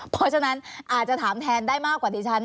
เพราะฉะนั้นอาจจะถามแทนได้มากกว่าดิฉัน